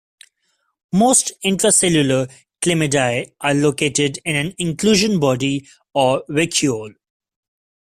Most intracellular Chlamydiae are located in an inclusion body or vacuole.